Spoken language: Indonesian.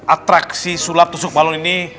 atraksi sulap tusuk balon ini